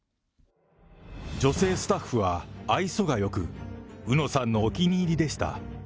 女性スタッフは愛想がよく、うのさんのお気に入りでした。